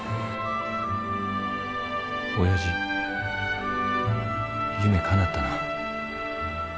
おやじ夢かなったな。